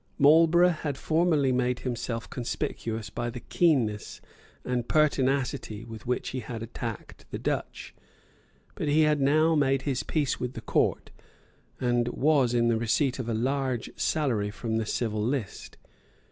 Marlborough had formerly made himself conspicuous by the keenness and pertinacity with which he had attacked the Dutch. But he had now made his peace with the Court, and was in the receipt of a large salary from the civil list.